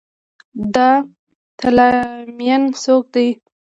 دا طالېمن څوک دی.